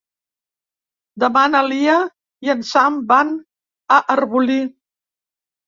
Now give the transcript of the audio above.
Demà na Lia i en Sam van a Arbolí.